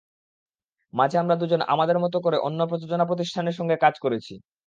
মাঝে আমরা দুজন আমাদের মতো করে অন্য প্রযোজনা প্রতিষ্ঠানের সঙ্গে কাজ করেছি।